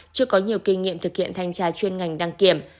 chưa có nhiều kinh nghiệm thực hiện thanh tra chuyên ngành đăng kiểm